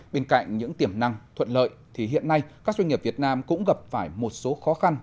bên cạnh những tiềm năng thuận lợi thì hiện nay các doanh nghiệp việt nam cũng gặp phải một số khó khăn